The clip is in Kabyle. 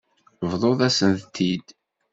Bḍut-asen-tent-id.